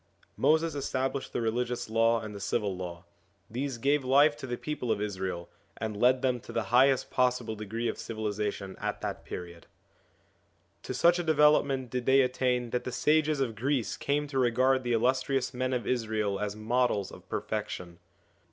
Moses established the religious law and the civil law ; these gave life to the people of Israel, and led them to the highest possible degree of civilisation at that period. B 18 SOME ANSWERED QUESTIONS To such a development did they attain that the sages of Greece came to regard the illustrious men of Israel as models of perfection.